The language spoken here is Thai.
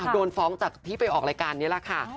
โดนฟ้องจากที่ไปออกรายการนี้แหละค่ะ